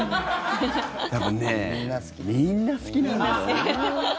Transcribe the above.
多分、みんな好きなんだろうね。